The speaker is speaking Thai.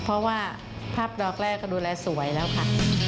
เพราะว่าภาพดอกแรกก็ดูแลสวยแล้วค่ะ